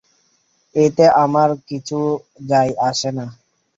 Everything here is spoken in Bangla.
এতে আমার কিছু যায়আসে না।